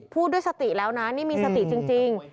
พูดด้วยสติแล้วนะนี่มีสติจริง